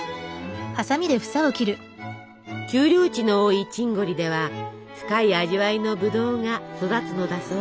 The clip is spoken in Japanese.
丘陵地の多いチンゴリでは深い味わいのブドウが育つのだそう。